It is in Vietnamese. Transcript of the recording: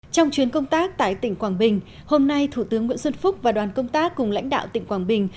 trong chuyến công tác tại tỉnh quảng bình hôm nay thủ tướng nguyễn xuân phúc và đoàn công tác cùng lãnh đạo tỉnh quảng bình